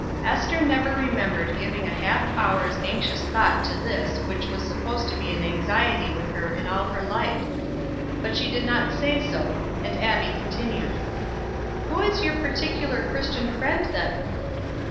Ester never remembered giving a half hour's anxious thought to this which was supposed to be an anxiety with her in all her life; but she did not say so, and Abbie continued: "Who is your particular Christian friend, then?"